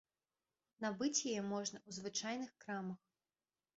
Набыць яе можна ў звычайных крамах.